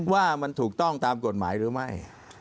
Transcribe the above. ว่ามันถูกต้องตามกฎหมายหรือไม่